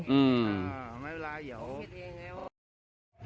อืมไม่เป็นไรเดี๋ยวผมผิดเองไงโอ้โห